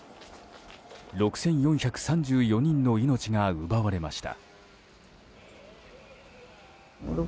６４３４人の命が奪われました。